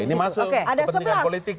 ini masuk kepentingan politik